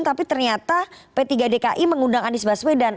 tapi ternyata p tiga dki mengundang anies baswedan